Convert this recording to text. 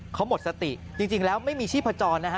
เขาหมดสติจริงแล้วไม่มีชีพจรนะฮะ